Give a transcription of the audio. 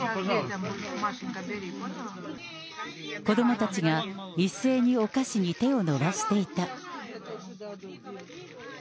子どもたちが一斉にお菓子に手を伸ばしていた。